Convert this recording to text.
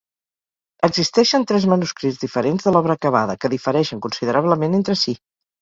Existeixen tres manuscrits diferents de l'obra acabada, que difereixen considerablement entre si.